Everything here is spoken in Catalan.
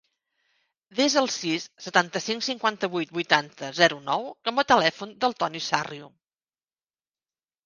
Desa el sis, setanta-cinc, cinquanta-vuit, vuitanta, zero, nou com a telèfon del Toni Sarrio.